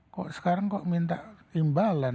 kok sekarang kok minta imbalan